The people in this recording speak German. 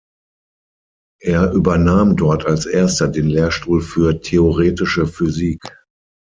Er übernahm dort als erster den Lehrstuhl für theoretische Physik.